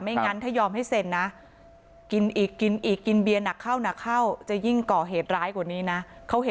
ไม่งั้นถ้ายอมให้เซ็นนะ